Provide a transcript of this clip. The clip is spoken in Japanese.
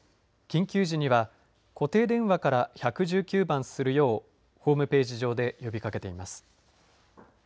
緊急時には固定電話から１１９番するようホームページ上で呼びかけています。